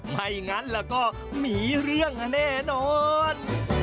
ไม่งั้นแล้วก็มีเรื่องแน่นอน